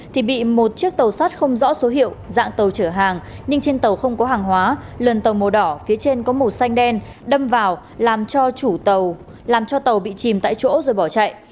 thì bị một chiếc tàu sắt không rõ số hiệu dạng tàu chở hàng nhưng trên tàu không có hàng hóa lần tàu màu đỏ phía trên có màu xanh đen đâm vào làm cho chủ tàu làm cho tàu bị chìm tại chỗ rồi bỏ chạy